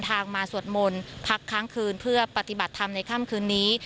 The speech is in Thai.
มาสวดมนต์พักค้างคืนเพื่อปฏิบัติธรรมในค่ำคืนนี้